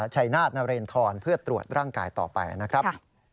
ชัยนาธนเรนทรเพื่อตรวจร่างกายต่อไปนะครับ